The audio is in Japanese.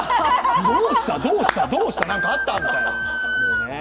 どうした、どうした、どうした、何かあったと？